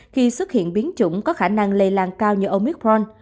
khi xuất hiện biến chủng có khả năng lây lan cao như omicron